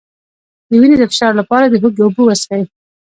د وینې د فشار لپاره د هوږې اوبه وڅښئ